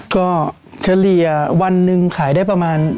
ก็เฉลี่ยวันหนึ่งขายได้ประมาณ